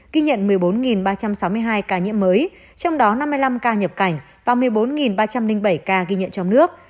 ghi nhận một mươi bốn ba trăm sáu mươi hai ca nhiễm mới trong đó năm mươi năm ca nhập cảnh và một mươi bốn ba trăm linh bảy ca ghi nhận trong nước